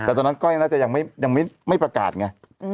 แต่ตอนนั้นก้อยน่าจะยังไม่ประกาศไง